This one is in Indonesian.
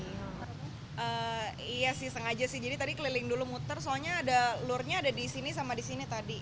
iya sih sengaja sih jadi tadi keliling dulu muter soalnya ada lure nya ada disini sama disini tadi